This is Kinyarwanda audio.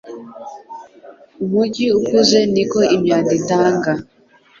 Umujyi ukuze niko imyanda itanga